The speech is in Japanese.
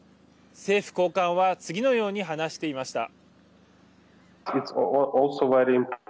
政府高官は次のように話していました。